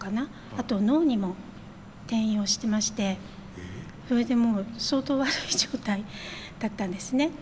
あと脳にも転移をしてましてそれでもう相当悪い状態だったんですね。